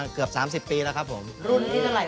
ชื่ออะไรนะยัมครับผมชื่ออะไรนะ